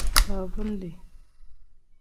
Baavundi.